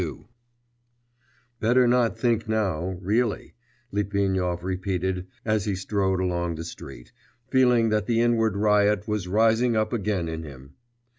XXII 'Better not think now, really,' Litvinov repeated, as he strode along the street, feeling that the inward riot was rising up again in him.